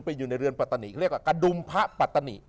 อยู่ในเรือนปัตตานีเขาเรียกว่ากระดุมพระปัตตนิ